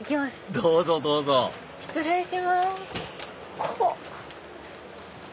どうぞどうぞ失礼します。